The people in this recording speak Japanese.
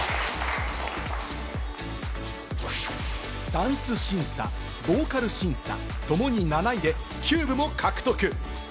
ダンス審査、ボーカル審査ともに７位でキューブも獲得。